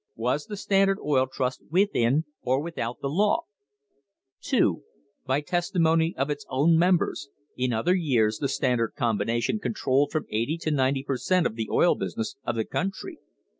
Was the Standard Oil Trust within or without the law? (2) By the testimony of its own members, in other years the Standard Combination controlled from eighty to ninety per cent, of the oil business of the country.